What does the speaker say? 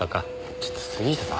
ちょっと杉下さん。